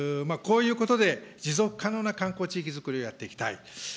こういうことで持続可能な観光地域づくりをやっていきたい。